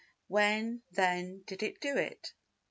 When, then, did it do it?